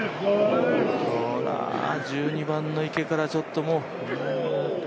１２番の池からちょっともう。